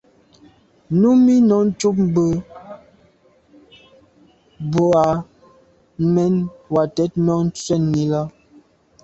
Numi nɔ́’ cup mbʉ̀ a mɛ́n Watɛ̀ɛ́t nɔ́ɔ̀’ nswɛ́ɛ̀n í lá.